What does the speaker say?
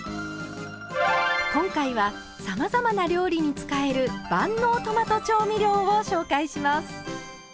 今回はさまざまな料理に使える万能トマト調味料を紹介します。